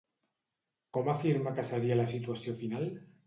Com afirma que seria la situació final?